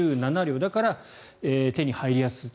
だから、手に入りやすいと。